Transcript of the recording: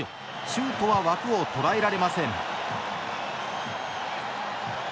シュートは枠を捉えられません。